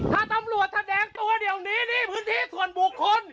ถ้าตำรวจแสดงตัวเดี๋ยวนี้นี่พื้นที่ส่วนบุคคล